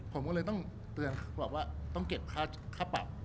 ผมก็เลยต้องเตือนบอกว่าต้องเก็บค่าปรับ